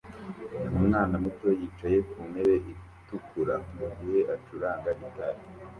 Umwana muto yicaye ku ntebe itukura mugihe acuranga gitari